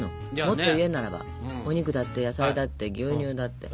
もっと言うならばお肉だって野菜だって牛乳だって。